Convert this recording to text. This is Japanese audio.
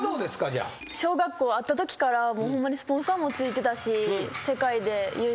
じゃあ。小学校会ったときからホンマにスポンサーもついてたし世界で優勝してたから。